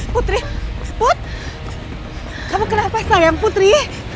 putri putri awas putri